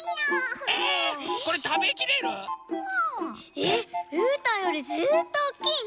えっうーたんよりずっとおっきいね！